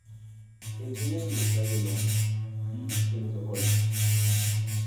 Enseña en la Universidad de Lund y en Estocolmo.